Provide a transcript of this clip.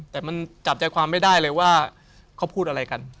แต่มันจับใจความไม่ได้เลยว่าเขาพูดอะไรกัน